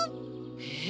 え？